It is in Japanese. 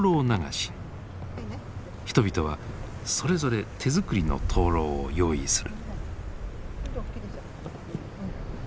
人々はそれぞれ手作りの灯籠を用意する。